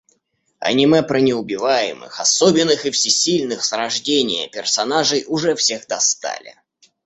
Аниме про неубиваемых, особенных и всесильных с рождения персонажей уже всех достали.